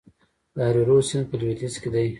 د هریرود سیند په لویدیځ کې دی